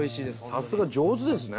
さすが上手ですね